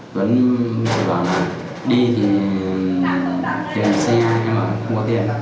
tuấn nói là đi thì tiền xe em bảo không có tiền